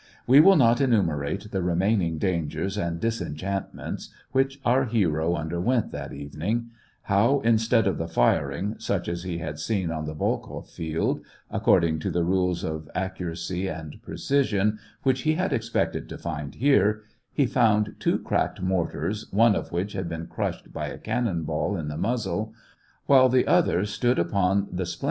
We will not enumerate the remaining dangers and disenchantments which our hero underwent that evening : how, instead of the firing, such as he had seen on the Volkoff field, according to the rules of accuracy and precision, which he had expected to find here, he found two cracked mortars, one of which had been crushed by a cannon ball in the muzzle, while the other stood upon the splin 226 SEVASTOPOL IN AUGUST.